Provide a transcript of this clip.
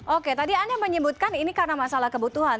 oke tadi anda menyebutkan ini karena masalah kebutuhan